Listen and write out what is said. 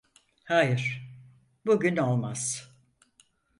Hayır, bugün olmaz.